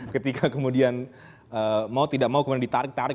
ketika kemudian mau tidak mau kemudian ditarik tarik